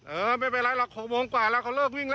เออไม่เป็นไรหรอก๖โมงกว่าแล้วเขาเลิกวิ่งแล้ว